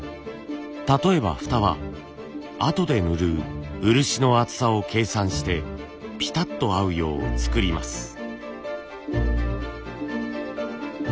例えばフタはあとで塗る漆の厚さを計算してピタッと合うよう作ります。